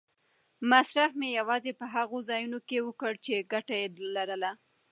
مصرف مې یوازې په هغو ځایونو کې وکړ چې ګټه یې لرله.